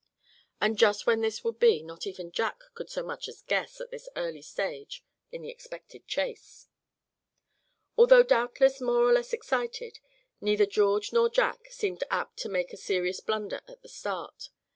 And just when this would be, not even Jack could so much as guess at this early stage in the expected chase. Although doubtless more or less excited, neither George nor Jack seemed apt to make a serious blunder in the start.